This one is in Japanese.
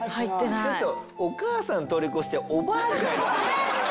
ちょっとお母さん通り越しておばあちゃん。